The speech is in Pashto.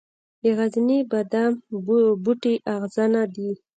د غرني بادام بوټی اغزنه دی